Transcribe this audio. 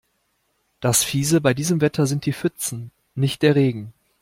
Das Fiese bei diesem Wetter sind die Pfützen, nicht der Regen.